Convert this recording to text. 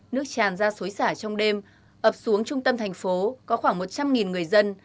nước tràn ra suối xả trong đêm ập xuống trung tâm thành phố có khoảng một trăm linh người dân